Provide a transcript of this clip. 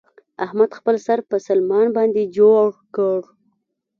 احمد خپل سر په سلمان باندې جوړ کړ.